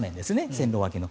線路脇の。